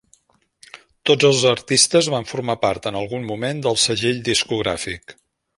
Tots els artistes van formar part en algun moment del segell discogràfic.